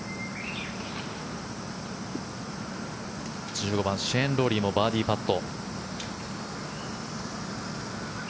１５番シェーン・ロウリーのバーディーパット。